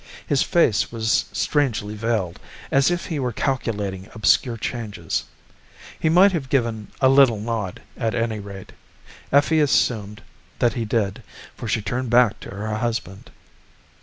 His face was strangely veiled, as if he were calculating obscure changes. He might have given a little nod; at any rate, Effie assumed that he did, for she turned back to her husband.